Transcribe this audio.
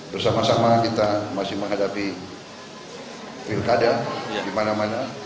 bersama sama kita masih menghadapi pilkada di mana mana